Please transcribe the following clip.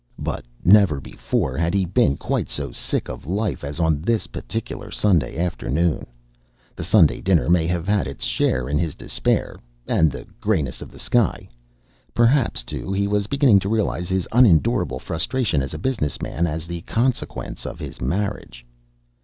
But never before had he been quite so sick of life as on this particular Sunday afternoon. The Sunday dinner may have had its share in his despair and the greyness of the sky. Perhaps, too, he was beginning to realise his unendurable frustration as a business man as the consequence of his marriage.